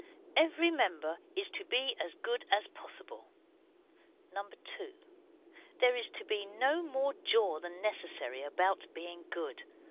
Every member is to be as good as possible. 2. There is to be no more jaw than necessary about being good.